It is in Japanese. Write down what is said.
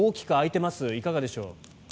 いかがでしょう。